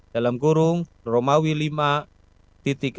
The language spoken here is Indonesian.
dalam kurung romawi lima enam